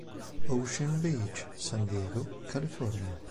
Ocean Beach, San Diego, California.